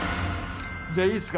じゃいいっすか？